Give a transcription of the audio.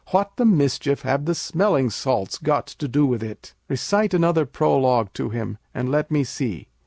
What the mischief have the smelling salts got to do with it? Recite another prologue to him and let me see.